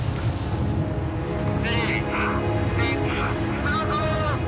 「スタート！」。